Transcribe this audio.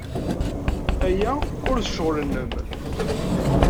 Aya ur d ccɣel-nnem.